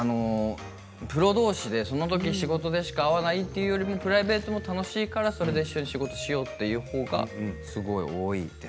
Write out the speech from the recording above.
プロどうしでそのとき仕事でしか会わないというよりもプライベートも楽しいから一緒に仕事しようというほうがすごく多いです。